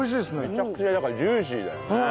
めちゃくちゃだからジューシーだよね。